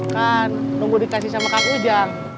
kan nunggu dikasih sama kang ujang